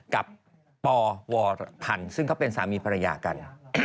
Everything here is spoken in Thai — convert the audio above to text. กับปวพันธ์ซึ่งเขาเป็นสามีภรรยากัน